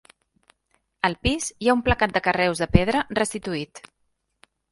Al pis hi ha un placat de carreus de pedra restituït.